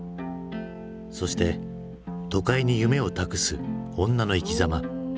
そして都会に夢を託す女の生きざま。